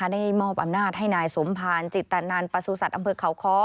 ได้มอบอำนาจให้นายสมพาลจิตนานประสูสัตว์อำเภอเขา